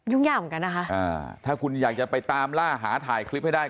ย่าเหมือนกันนะคะอ่าถ้าคุณอยากจะไปตามล่าหาถ่ายคลิปให้ได้